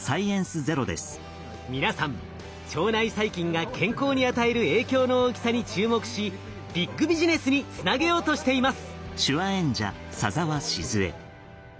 皆さん腸内細菌が健康に与える影響の大きさに注目しビッグビジネスにつなげようとしています。